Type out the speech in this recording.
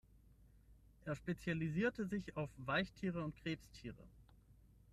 Er spezialisierte sich auf Weichtiere und Krebstiere.